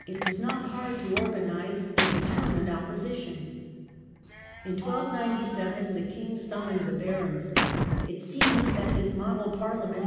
k was not hard to organize a determined opposition. In 1297 the king summoned th« barons. It seemed that his model parliament